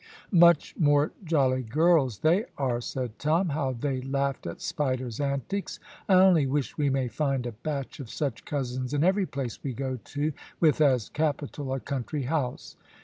"Much more jolly girls they are," said Tom. "How they laughed at Spider's antics! I only wish we may find a batch of such cousins in every place we go to with as capital a country house."